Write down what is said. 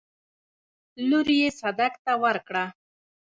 لور يې صدک ته ورکړه.